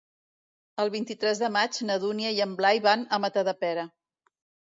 El vint-i-tres de maig na Dúnia i en Blai van a Matadepera.